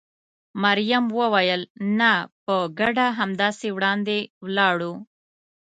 مريم وویل: نه، په ګډه همداسې وړاندې ولاړو.